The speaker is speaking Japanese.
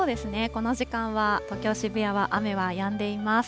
この時間は東京・渋谷は雨はやんでいます。